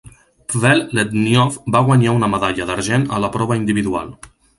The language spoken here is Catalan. Pvel Lednyov va guanyar una medalla d'argent a la prova individual.